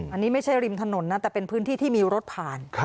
อันนี้ไม่ใช่ริมถนนนะแต่เป็นพื้นที่ที่มีรถผ่าน